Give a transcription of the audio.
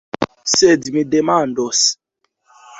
Sed mi demandos.